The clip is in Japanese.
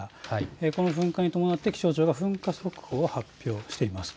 この噴火に伴って気象庁が噴火速報を発表しています。